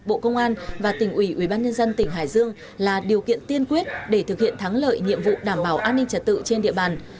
bộ công an và tỉnh ủy ủy ban nhân dân tỉnh hải dương là điều kiện tiên quyết để thực hiện thắng lợi nhiệm vụ đảm bảo an ninh chật tự trên địa bàn